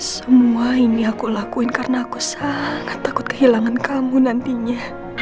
semua ini aku lakuin karena aku sangat takut kehilangan kamu nantinya